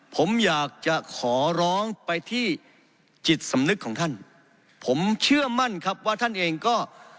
ผมอยากจะขอร้องไปที่จิตสำนึกของท่านผมเชื่อมั่นครับว่าท่านเองก็